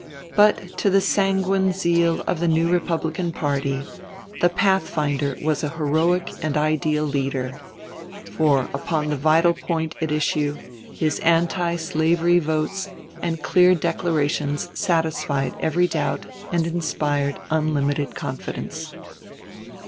But to the sanguine zeal of the new Republican party, the "Pathfinder" was a heroic and ideal leader; for, upon the vital point at issue, his anti slavery votes and clear declarations satisfied every doubt and inspired unlimited confidence.